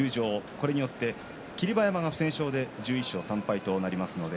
これによって霧馬山が不戦勝で１１勝３敗となりますので